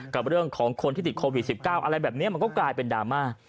กับเรื่องของคนที่ติดโควิด๑๙อะไรแบบนี้มันก็กลายเป็นดราม่า